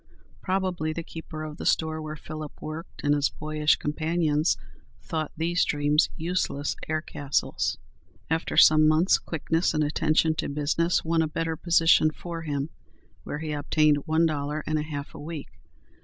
Probably the keeper of the store where Philip worked, and his boyish companions, thought these dreams useless air castles. After some months, quickness and attention to business won a better position for him, where he obtained one dollar and a half a week.